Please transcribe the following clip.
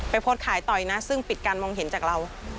โพสต์ขายต่อยนะซึ่งปิดการมองเห็นจากเรา